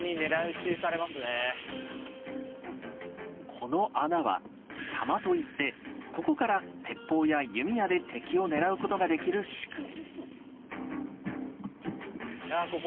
この穴は「狭間」といってここから鉄砲や弓矢で敵を狙うことができる仕組み。